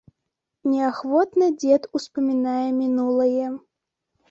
Неахвотна дзед успамінае мінулае.